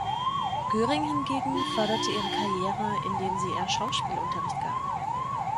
Göring hingegen förderte ihre Karriere, indem sie ihr Schauspielunterricht gab.